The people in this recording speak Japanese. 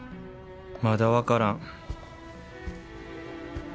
まだ分からん。